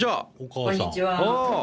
こんにちは。